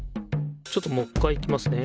ちょっともう一回いきますね。